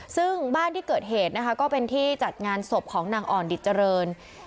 ซึ่งบ้านที่เกิดเหตุนะคะก็เป็นที่จัดงานศพของนางอ่อนดิจเจริญ